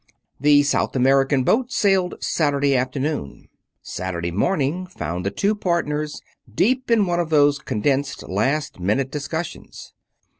The South American boat sailed Saturday afternoon. Saturday morning found the two partners deep in one of those condensed, last minute discussions.